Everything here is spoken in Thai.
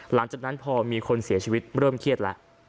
หลังจากนั้นพอมีคนเสียชีวิตเริ่มเครียดแล้ว